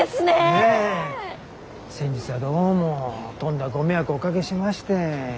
先日はどうもとんだご迷惑をおかけしまして。